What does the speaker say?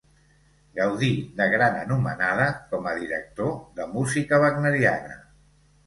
Gaudí de gran anomenada coma director de música wagneriana.